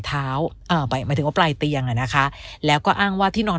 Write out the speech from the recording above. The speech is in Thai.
เอ่อหมายหมายถึงว่าปลายเตียงอ่ะนะคะแล้วก็อ้างว่าที่นอน